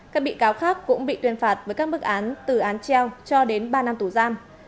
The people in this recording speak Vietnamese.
các bị cáo khác cũng bị tuyên phạt với các bức án từ án treo cho đến ba năm tù giam